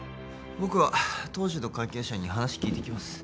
僕は当時の関係者に話聞いてきます